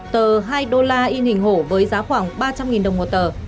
tờ hai đô la in hình hổ với giá khoảng ba trăm linh đồng một tờ